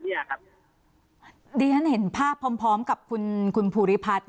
นี่ฉันเห็นภาพพร้อมกับคุณภูริพัฒน์